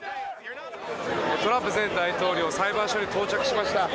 トランプ前大統領裁判所に到着しました。